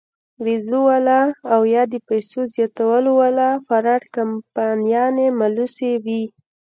وېزو واله او يا د پېسو زياتولو واله فراډ کمپنيانې ملوثې وي -